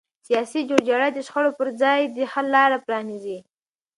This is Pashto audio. سیاسي جوړجاړی د شخړو پر ځای د حل لاره پرانیزي